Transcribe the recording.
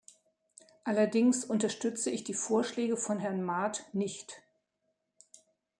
Allerdings unterstütze ich die Vorschläge von Herrn Maat nicht.